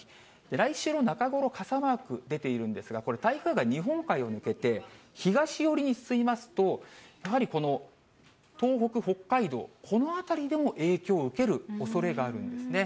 来週の中頃、傘マーク出ているんですが、これ、台風が日本海を抜けて、東寄りに進みますと、やはりこの東北、北海道、この辺りでも影響を受けるおそれがあるんですね。